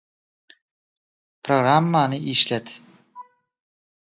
Programmany işlet